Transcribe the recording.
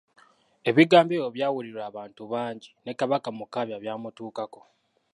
Ebigambo ebyo byawulirwa abantu bangi, ne Kabaka Mukaabya byamutuukako.